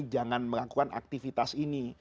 jangan melakukan aktivitas ini